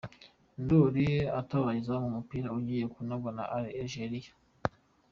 Ndori atabaye izamu umupira ugiye kunagwa na Algeria.